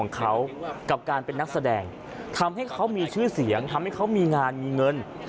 เขากับการเป็นนักแสดงทำให้เขามีชื่อเสียงทำให้เขามีงานมีเงิน